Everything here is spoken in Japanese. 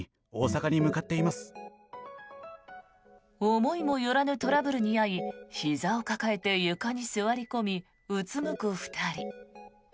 思いもよらぬトラブルに遭いひざを抱えて床に座り込みうつむく２人。